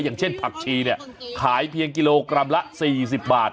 อย่างเช่นผักชีเนี่ยขายเพียงกิโลกรัมละ๔๐บาท